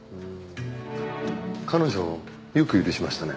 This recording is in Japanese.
彼女よく許しましたね。